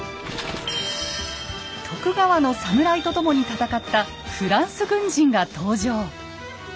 徳川のサムライと共に戦ったフランス軍人が登場。